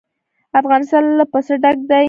افغانستان له پسه ډک دی.